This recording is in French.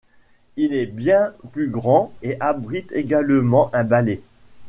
Il est bien plus grand et abrite également un ballet.